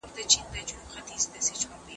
ډېر ږدن او پاڼي له کړکۍ څخه دننه غورځول کیږي.